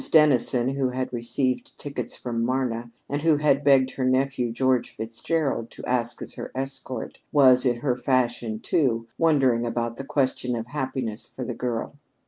Dennison, who had received tickets from Marna, and who had begged her nephew, George Fitzgerald, to act as her escort, was, in her fashion, too, wondering about the question of happiness for the girl.